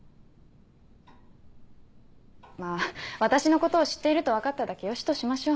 まぁ私のことを知っていると分かっただけよしとしましょう。